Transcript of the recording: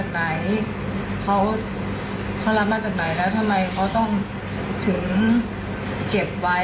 ไหนเขารับมาจากไหนแล้วทำไมเขาต้องถึงเก็บไว้